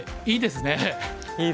いいですね。